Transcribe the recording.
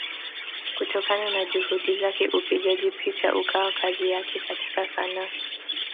Kutokana na Juhudi zake upigaji picha ukawa kazi yake katika Sanaa.